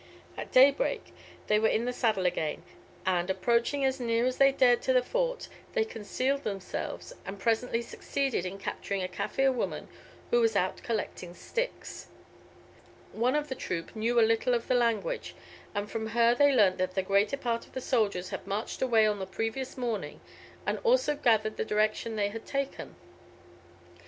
At daybreak, they were in the saddle again, and approaching as near as they dared to the Fort, they concealed themselves, and presently succeeded in capturing a Kaffir woman who was out collecting sticks. One of the troop knew a little of the language, and from her they learnt that the greater part of the soldiers had marched away on the previous morning, and also gathered the direction they had taken.